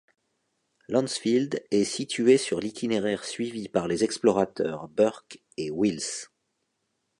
Lancefield est situé sur l’itinéraire suivi par les explorateurs Burke et Wills.